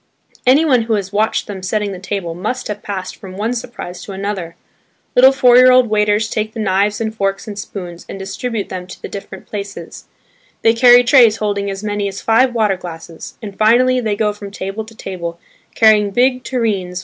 Anyone who has watched them setting the table must have passed from one surprise to another. Little four year old waiters take the knives and forks and spoons and distribute them to the different places; they carry trays holding as many as five water glasses, and finally they go from table to table, carrying big tureens full of hot soup.